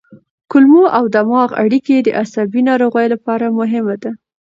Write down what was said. کولمو او دماغ اړیکه د عصبي ناروغیو لپاره مهمه ده.